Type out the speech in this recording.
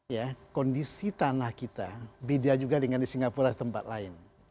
ya kondisi tanah kita beda juga dengan di singapura tempat lain